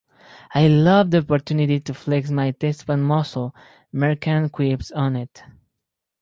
"I love the opportunity to flex my thespian muscle," Merchant quips on it.